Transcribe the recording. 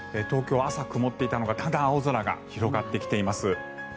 東京、朝は曇っていたのがだんだん青空が広がってきています。